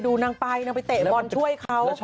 ดูนางปลายไปเต่วนช่วยเขา